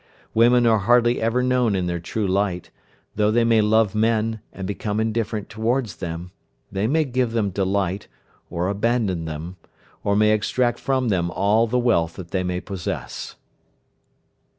"Women are hardly ever known in their true light, though they may love men, or become indifferent towards them; may give them delight, or abandon them; or may extract from them all the wealth that they may possess."